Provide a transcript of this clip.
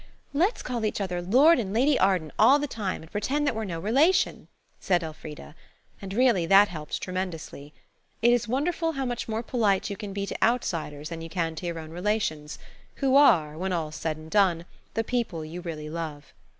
"Let's call each other Lord and Lady Arden all the time, and pretend that we're no relation," said Elfrida. And really that helped tremendously. It is wonderful how much more polite you can be to outsiders than you can to your relations, who are, when all's said and done, the people you really love.